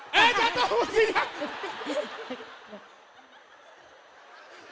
eh jatuh mas gilang